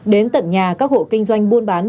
đến tận nhà các hộ kinh doanh buôn bán